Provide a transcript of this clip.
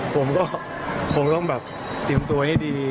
ผมก็คงต้องแบบเตรียมตัวให้ดี